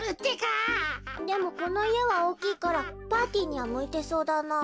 でもこのいえはおおきいからパーティーにはむいてそうだなあ。